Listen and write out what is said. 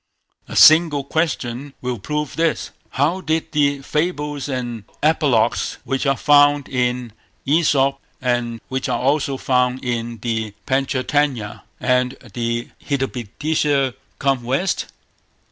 A single question will prove this. How did the fables and apologues which are found in Æsop, and which are also found in the Pantcha Tantya and the Hitopadesa come West?